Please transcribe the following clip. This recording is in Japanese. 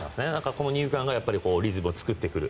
この二遊間がリズムを作ってくる。